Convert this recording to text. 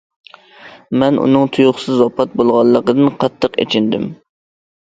مەن ئۇنىڭ تۇيۇقسىز ۋاپات بولغانلىقىدىن قاتتىق ئېچىندىم.